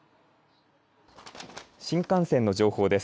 新幹線の情報です。